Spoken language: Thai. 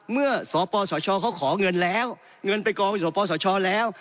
เมื่อสปสชเขาขอเงินแล้วเงินไปกองไปสปสชแล้ว